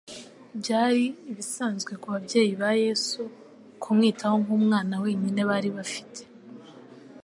Byari ibisanzwe ku babyeyi ba Yesu kumwitaho nk'umwana wenyine bari bafite.